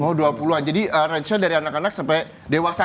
oh dua puluh an jadi range nya dari anak anak sampai dewasa